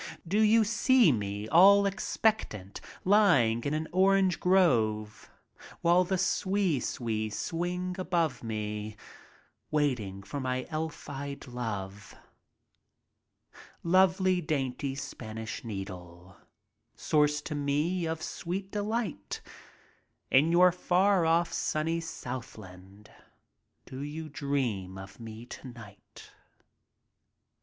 DAYS ON SHIPBOARD 33 Do you see me, all expectant, Lying in an orange grove, While the swee swees sing above me Waiting for my elf eyed love? Lovely, dainty Spanish Needle; Source to me of sweet delight, In your far off sunny southland Do you dream of me to night?